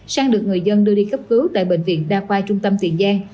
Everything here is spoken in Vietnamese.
sang được người dân đưa đi cấp cứu tại bệnh viện đa khoa trung tâm tiền giang